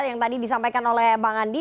yang tadi disampaikan oleh bang andi